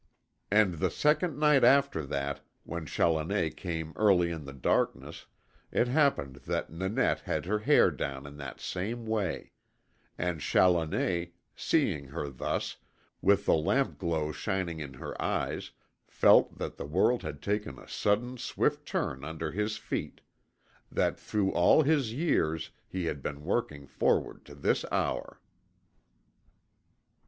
And the second night after that, when Challoner came early in the darkness, it happened that Nanette had her hair down in that same way; and Challoner, seeing her thus, with the lampglow shining in her eyes, felt that the world had taken a sudden swift turn under his feet that through all his years he had been working forward to this hour.